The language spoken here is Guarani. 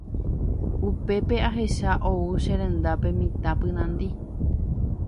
Upépe ahecha ou che rendápe mitã pynandi.